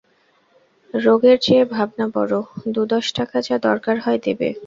রোগের চেয়ে ভাবনা বড়! দু-দশ টাকা যা দরকার হয় দেবে।